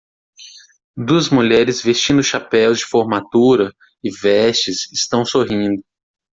Duas mulheres vestindo chapéus de formatura e vestes estão sorrindo.